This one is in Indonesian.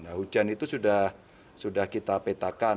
nah hujan itu sudah kita petakan